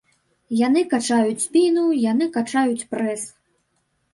Яны качаюць спіну, яны качаюць прэс!